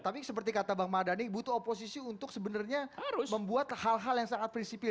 tapi seperti kata bang madani butuh oposisi untuk sebenarnya membuat hal hal yang sangat prinsipil